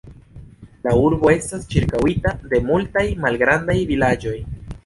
La urbo estas ĉirkaŭita de multaj malgrandaj vilaĝoj.